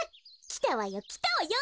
きたわよきたわよ。